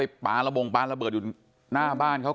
ปลาระบงปลาระเบิดอยู่หน้าบ้านเขา